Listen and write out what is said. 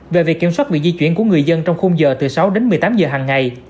về việc kiểm soát việc di chuyển của người dân trong khung giờ từ sáu đến một mươi tám giờ hằng ngày